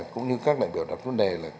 cũng như các đại biểu đặt vấn đề là